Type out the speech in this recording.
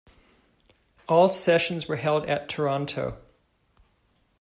All sessions were held at Toronto.